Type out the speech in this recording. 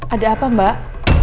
ada apa mbak